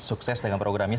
sukses dengan programnya